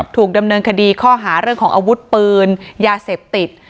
ถูกดำเนินคดีข้อหาเรื่องของอาวุธปืนยาเสพติด